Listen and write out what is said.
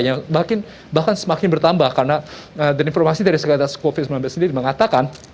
yang bahkan semakin bertambah karena dan informasi dari sekitar covid sembilan belas sendiri mengatakan